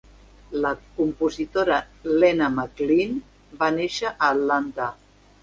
La compositora Lena McLin va néixer a Atlanta.